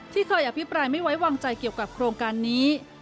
ที่เคยอภิปรายไม่ไว้วางใจเกี่ยวกับโครงการนี้